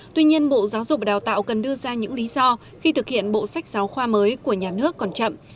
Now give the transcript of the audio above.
tuy nhiên bộ giáo dục và đào tạo cần đưa ra những lý do khi thực hiện bộ sách giáo khoa mới của nhà nước còn chậm